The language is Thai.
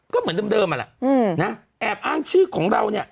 ก็เหมือนเดิมนั่นแหละแอบอ้างชื่อของเราเนี่ย